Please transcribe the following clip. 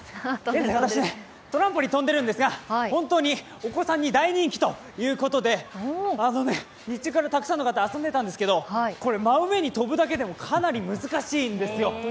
私、トランポリン跳んでいるんですが、本当にお子さんに大人気ということで日中からたくさんの方、集めたんですけど真上に跳ぶだけでかなり難しいんです。